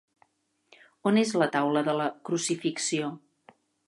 On és la taula de la Crucifixió?